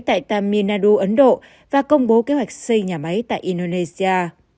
tại tamil nadu ấn độ và công bố kế hoạch xây nhà máy tại indonesia